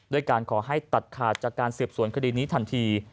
ด้วยการขอให้ตัดขาดจากการสืบสวนคดีนี้ทันที